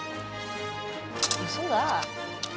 うそだ。